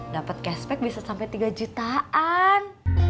dapet cashback bisa sampe tiga jutaan